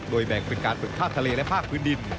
โดยแบ่งเป็นการฝึกภาพทะเลและภาคพื้นดิน